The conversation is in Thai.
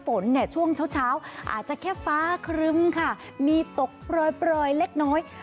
ฝนเนี่ยช่วงเช้าอาจจะแค่ฟ้าครึ้มค่ะมีตกปล่อยเล็กน้อย